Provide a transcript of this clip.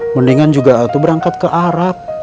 mendingan juga waktu berangkat ke arab